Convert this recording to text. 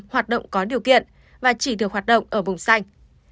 hoạt động có điều kiện và chỉ được hoạt động ở vùng xanh